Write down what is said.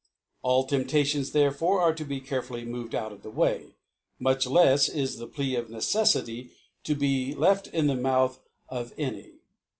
' All Temptations therefore are to be carcr fully removed out of the Way ; much left is the Plea pf Neceflity tQ be left in the Ivjouth of any.